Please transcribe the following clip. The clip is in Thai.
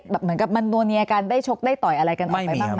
เหมือนกับมันนัวเนียกันได้ชกได้ต่อยอะไรกันออกไปบ้าง